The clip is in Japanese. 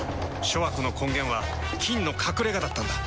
諸悪の根源は「菌の隠れ家」だったんだ。